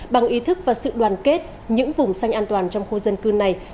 bằng ý thức và sự đoàn kết những vùng xanh an toàn trong khu dân cư này